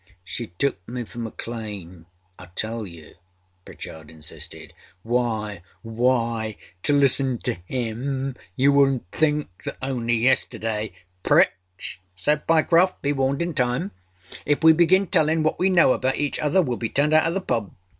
â âShe took me for Maclean, I tell you,â Pritchard insisted. âWhyâwhyâto listen to him you wouldnât think that only yesterdayâââ âPritch,â said Pyecroft, âbe warned in time. If we begin tellinâ what we know about each other weâll be turned out of the pub.